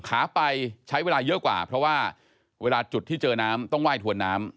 ขาไปใช้เวลาเยอะกว่าเพราะว่าเวลาจุดที่เจอน้ำต้องไหว้ถวนน้ำ